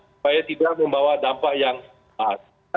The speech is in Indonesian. supaya tidak membawa dampak yang